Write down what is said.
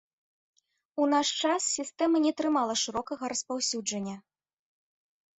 У наш час сістэма не атрымала шырокага распаўсюджання.